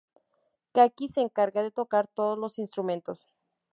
Kaki se encarga de tocar todos los instrumentos.